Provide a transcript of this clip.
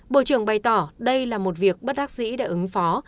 bộ trưởng bày tỏ đây là một việc bất đắc dĩ đã ứng phó